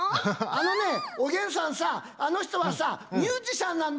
あのねおげんさんさあの人はさミュージシャンなんだよ。